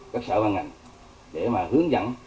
các sở văn ngành để mà hướng dẫn